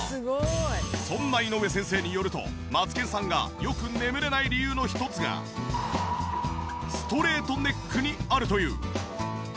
そんな井上先生によるとマツケンさんがよく眠れない理由の一つがストレートネックにあるという。